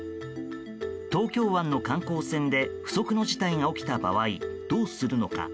東京湾の観光船で不測の事態が起きた場合どうするのか。